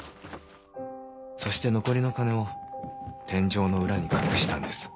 そして残りの金を天井の裏に隠したんです。